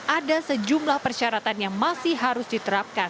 ada sejumlah persyaratan yang masih harus diterapkan